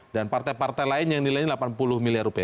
dan partai partai lain yang nilainya delapan puluh miliar rupiah